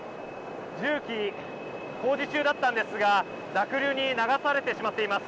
重機、工事中だったんですが濁流に流されてしまっています。